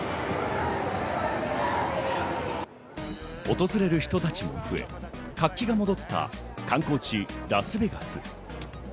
訪れる人たちも増え、活気が戻った観光地ラスベガス。